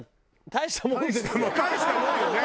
大したもんよね。